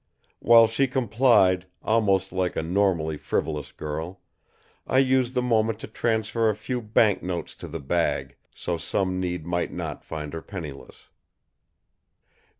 While she complied, almost like a normally frivolous girl, I used the moment to transfer a few banknotes to the bag, so some need might not find her penniless.